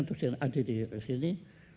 terus adik di sini